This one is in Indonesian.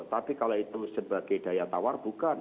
tapi kalau itu sebagai daya tawar bukan